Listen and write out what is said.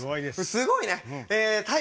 すごいね！